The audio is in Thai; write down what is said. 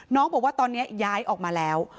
น้องบอกว่าตอนนี้ย้ายออกมาแล้ว